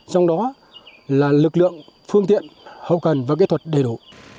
trong đó là lực lượng phương tiện hậu cần và kỹ thuật đầy đủ